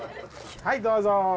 はい、どうぞ。